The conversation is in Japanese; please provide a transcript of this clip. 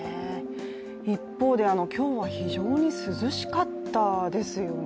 一方で今日は非常に涼しかったですよね。